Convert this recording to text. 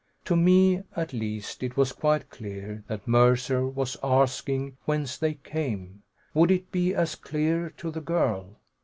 To me, at least, it was quite clear that Mercer was asking whence they came. Would it be as clear to the girl?